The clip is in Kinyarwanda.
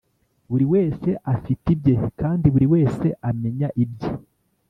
buri wese afite ibye kandi buri wese amenya ibye